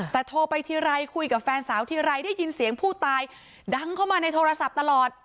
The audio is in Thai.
แต่โทรไปทีไรคุยกับแฟนสาวทีไรได้ยินเสียงผู้ตายดังเข้ามาในโทรศัพท์ตลอด